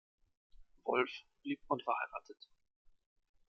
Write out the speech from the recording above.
Wolf blieb unverheiratet.